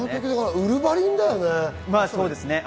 ウルヴァリンだよね。